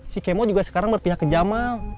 si kemo juga sekarang berpihak ke jamal